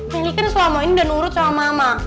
meli kan selama ini udah nurut sama mama